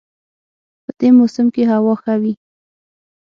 په دې موسم کې هوا ښه وي